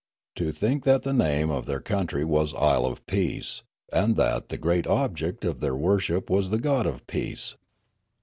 To think that the name of their coun try was " Isle of Peace," and that the great object of their worship was the god of peace